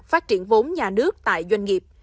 phát triển vốn nhà nước tại doanh nghiệp